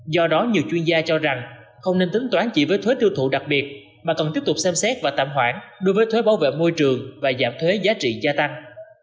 do đó nhiều chuyên gia cho rằng không nên tính toán chỉ với thuế tiêu thụ đặc biệt mà cần tiếp tục xem xét và tạm hoãn đối với thuế bảo vệ môi trường và giảm thuế giá trị gia tăng